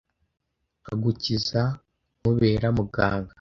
Nkagukiza nkubera Muganga